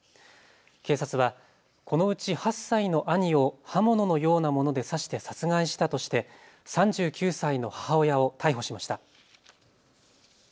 警察はこのうち８歳の兄を刃物のようなもので刺して殺害したとして３９歳の母親を逮捕しました。